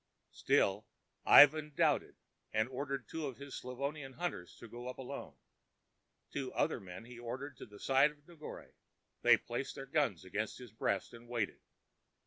Still Ivan doubted, and ordered two of his Slavonian hunters to go up alone. Two other men he ordered to the side of Negore. They placed their guns against his breast and waited.